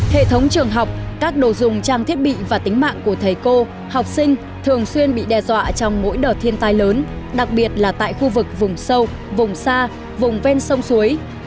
hệ thống trường học các đồ dùng trang thiết bị và tính mạng của thầy cô học sinh thường xuyên bị đe dọa trong mỗi đợt thiên tai lớn đặc biệt là tại khu vực vùng sâu vùng xa vùng ven sông suối